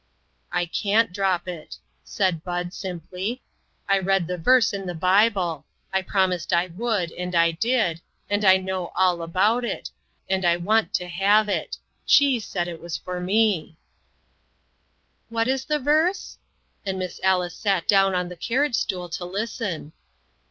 "I can't drop it," said Bud, simply; "I read the verse in the Bible ; I promised I would, and I did, and I know all about it, and I want to have it; she said it was for me." 282 INTERRUPTED. " What is the verse ?" and Miss Alice sat down on a carriage stool to listen.